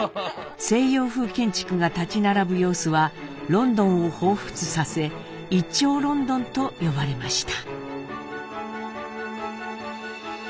西洋風建築が建ち並ぶ様子はロンドンを彷彿させ「一丁倫敦」と呼ばれました。